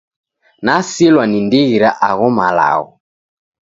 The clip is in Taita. Nasilwa ni ndighi ra agho malagho.